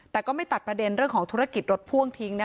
แต่ก็ไม่ตัดประเด็นเรื่องของธุรกิจรถพ่วงทิ้งนะคะ